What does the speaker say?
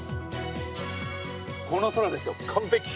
この空ですよ、完璧。